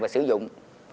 và sử dụng